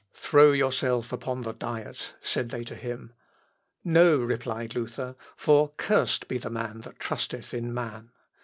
"Throw yourself upon the Diet," said they to him. "No," replied Luther, "for cursed be the man that trusteth in man."